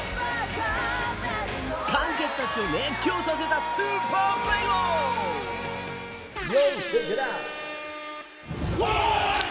観客たちを熱狂させたスーパープレーをヨー！チェケラ！